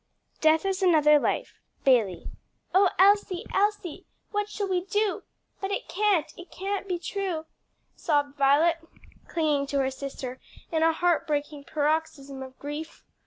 "Death is another life." Bailey. "Oh Elsie, Elsie, what shall we do! But it can't, it can't be true!" sobbed Violet, clinging to her sister in a heart breaking paroxysm of grief.